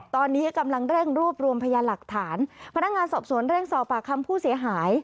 ตอนนี้กำลังเร่งรวบรวมพยานหลักฐานพนักงานสอบสวนเร่งสอบปากคำผู้เสียหาย